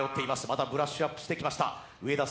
またブラッシュアップしてきました。